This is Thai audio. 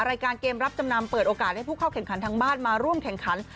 รายการเกมรับจำนำเปิดโอกาสให้ผู้เข้าแข่งขันทางบ้านมาร่วมแข่งขัน